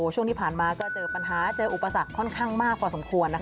ช่วงที่ผ่านมาก็เจอปัญหาเจออุปสรรคค่อนข้างมากพอสมควร